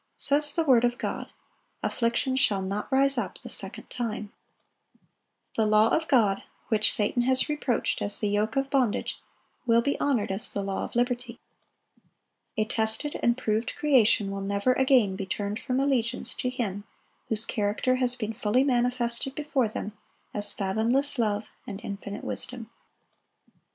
Says the word of God, "Affliction shall not rise up the second time."(890) The law of God, which Satan has reproached as the yoke of bondage, will be honored as the law of liberty. A tested and proved creation will never again be turned from allegiance to Him whose character has been fully manifested before them as fathomless love and infinite wisdom.